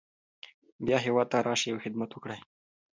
بیا هیواد ته راشئ او خدمت وکړئ.